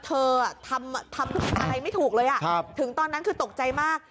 เธอทำอะไรไม่ถูกเลยถึงตอนนั้นคือตกใจมาก